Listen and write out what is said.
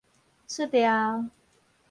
出料